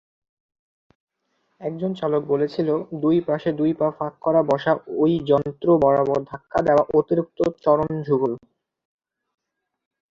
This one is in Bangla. একজন চালক বলেছিল দুই পাশে দুই পা ফাঁক করে বসা এই যন্ত্র বারবার ধাক্কা দেওয়া অতিরিক্ত চরণযুঘল।